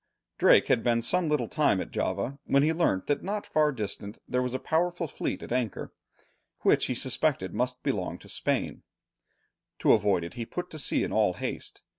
Drake had been some little time at Java when he learnt that not far distant there was a powerful fleet at anchor, which he suspected must belong to Spain; to avoid it he put to sea in all haste.